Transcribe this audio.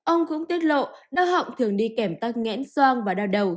ông cũng tiết lộ đau họng thường đi kẻm tắc nghẽn xoang và đau đầu